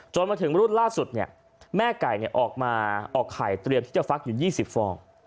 มาถึงรุ่นล่าสุดเนี่ยแม่ไก่ออกมาออกไข่เตรียมที่จะฟักอยู่๒๐ฟอง